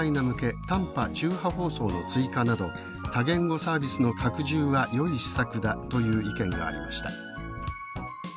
向け短波・中波放送の追加など多言語サービスの拡充はよい施策だ」という意見がありました。